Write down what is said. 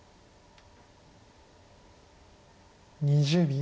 ２０秒。